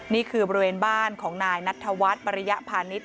บริเวณบ้านของนายนัทธวัฒน์ปริยพาณิชย